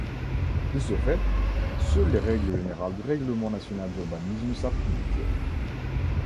De ce fait seules les règles générales du règlement national d'urbanisme s'appliquent.